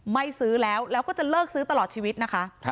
ไม่ซื้อแล้วแล้วก็จะเลิกซื้อตลอดชีวิตนะคะ